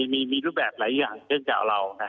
มีรูปแบบหลายอย่างเชื่อเกี่ยวเรา